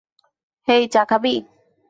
হেই, চা খাবি?